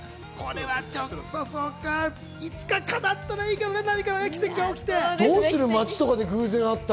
いつかかなったらいいけどね、奇跡とかあって。